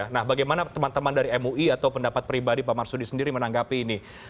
nah bagaimana teman teman dari mui atau pendapat pribadi pak marsudi sendiri menanggapi ini